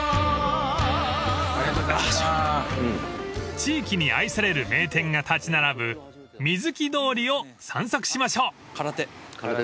［地域に愛される名店が立ち並ぶみずき通りを散策しましょう］